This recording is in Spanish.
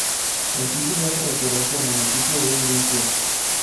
El título hace referencia al municipio de Limpias.